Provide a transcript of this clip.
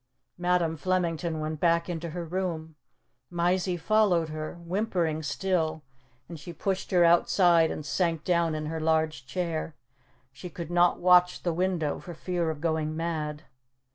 Madam Flemington went back into her room. Mysie followed her, whimpering still, and she pushed her outside and sank down in her large chair. She could not watch the window, for fear of going mad.